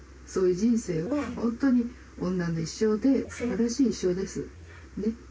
そういう人生は本当に女の一生ですばらしい一生です。